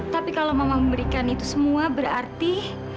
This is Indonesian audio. tapi kalau memang memberikan itu semua berarti